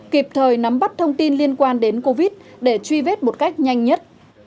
kịp thời nắm bắt thông tin liên quan đến covid để truy vết một cách nhanh nhất